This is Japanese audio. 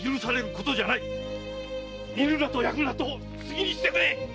〔煮るなと焼くなと好きにしてくれ！〕